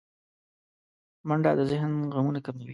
منډه د ذهن غمونه کموي